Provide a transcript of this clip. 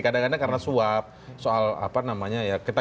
kadang kadang karena suap soal apa namanya ya